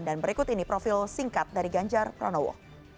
dan berikut ini profil singkat dari ganjar pranowo